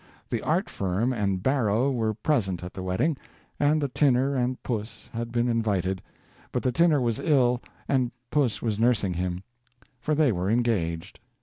The art firm and Barrow were present at the wedding, and the tinner and Puss had been invited, but the tinner was ill and Puss was nursing him—for they were engaged.